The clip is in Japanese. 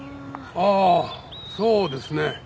ああそうですね。